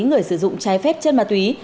người sử dụng trái phép chân ma túy